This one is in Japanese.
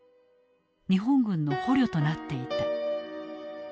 日本軍の捕虜となっていた。